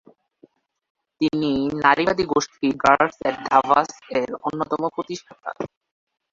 তিনি নারীবাদী গোষ্ঠী "গার্লস অ্যাট ধাবাস"এর অন্যতম প্রতিষ্ঠাতা।